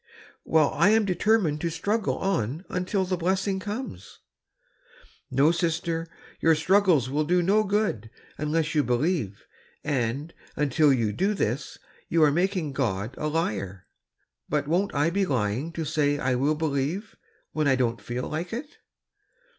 *^" Well, I am determined to struggle on till the blessing comes.'^ "No, sister, your struggles will do no good unless you believe; and, until you do this, you are making God a liar.'' "But won't I be lying to say I will believe, when I dcMi't feel like it?"